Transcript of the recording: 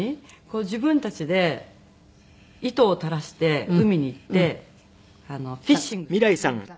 自分たちで糸を垂らして海に行ってフィッシングするんですよ。